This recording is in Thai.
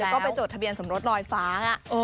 ก็ไปจดทะเบียนสมรสลอยฟ้า